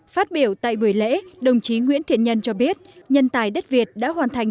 phát biểu tại buổi lễ đồng chí nguyễn thiện nhân cho biết nhân tài đất việt đã hoàn thành